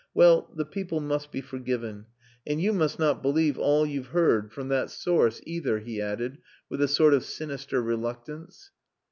Well, the people must be forgiven.... And you must not believe all you've heard from that source, either," he added, with a sort of sinister reluctance.